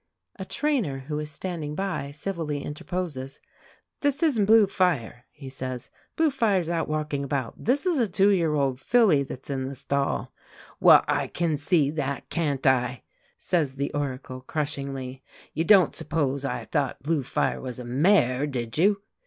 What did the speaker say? A trainer who is standing by, civilly interposes. "This isn't Blue Fire," he says. "Blue Fire's out walking about. This is a two year old filly that's in the stall " "Well, I can see that, can't I," says the Oracle, crushingly. "You don't suppose I thought Blue Fire was a mare, did you?"